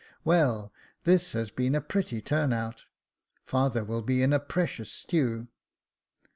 Well, this has been a pretty turn out. Father will be in a precious stew."